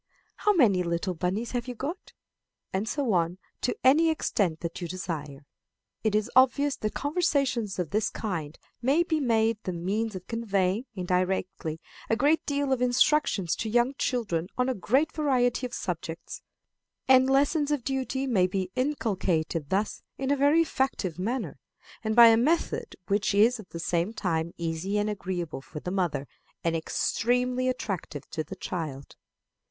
How many little bunnies have you got?'" And so on, to any extent that you desire. It is obvious that conversations of this kind may be made the means of conveying, indirectly, a great deal of instruction to young children on a great variety of subjects; and lessons of duty may be inculcated thus in a very effective manner, and by a method which is at the same time easy and agreeable for the mother, and extremely attractive to the child.